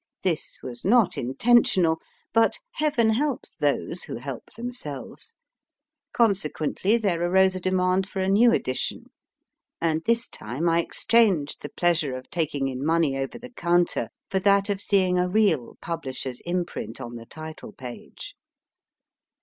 This was not intentional, but Heaven helps those who help themselves. Con sequently, there arose a demand for a new edition, and this time I exchanged the pleasure of taking in money over the counter for that of seeing a real publisher s imprint on the title page.